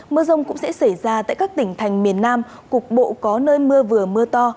mưa rông cũng sẽ xảy ra tại các tỉnh thành miền nam cục bộ có nơi mưa vừa mưa to